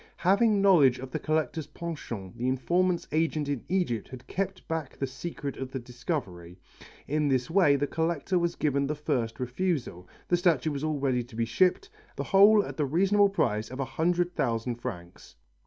Having knowledge of the collector's penchant the informant's agent in Egypt had kept back the secret of the discovery. In this way the collector was given the first refusal, the statue was all ready to be shipped, the whole at the reasonable price of a hundred thousand francs.